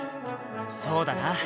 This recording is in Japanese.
そうだな。